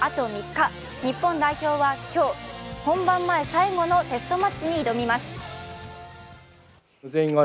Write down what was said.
日本代表は今日、本番前の最後のテストマッチに挑みます。